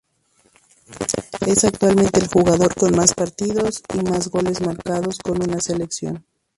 Es actualmente, el jugador con más partidos y más goles marcados con su selección.